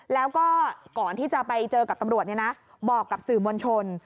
แล้วก็ก่อนที่จะไปเจอกับตำรวจบอกกับสื่อมวลชน